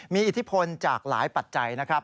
มีอิทธิพลจากหลายปัจจัยนะครับ